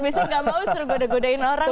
biasanya gak mau suruh goda godain orang